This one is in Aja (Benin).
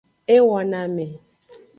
E wo na ame.